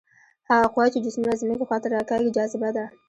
هغه قوه چې جسمونه ځمکې خواته راکاږي جاذبه ده.